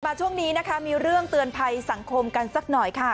ช่วงนี้นะคะมีเรื่องเตือนภัยสังคมกันสักหน่อยค่ะ